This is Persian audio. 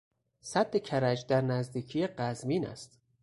سد کرج در نزدیکی قزوین است.